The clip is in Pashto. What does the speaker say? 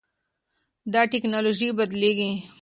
دا ټکنالوژي بدلېږي.